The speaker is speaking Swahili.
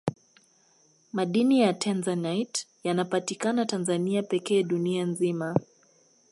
madini ya tanzanite yanapatikana tanzania pekee dunia nzima